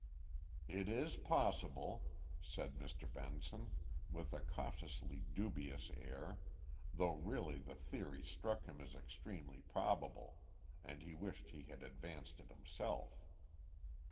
"It is possible," said Mr. Benson, with a cautiously dubious air, though really the theory struck him as extremely probable, and he wished he had advanced it himself.